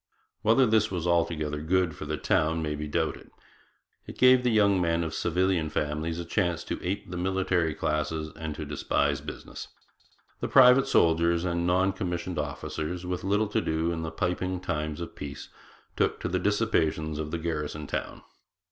Whether this was altogether good for the town may be doubted. It gave the young men of civilian families a tendency to ape the military classes and to despise business. The private soldiers and non commissioned officers, with little to do in the piping times of peace, took to the dissipations of the garrison town.